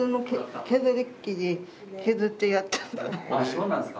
そうなんですか。